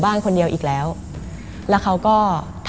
มันกลายเป็นรูปของคนที่กำลังขโมยคิ้วแล้วก็ร้องไห้อยู่